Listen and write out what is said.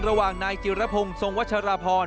ระหว่างนายจิรพงศ์ทรงวัชราพร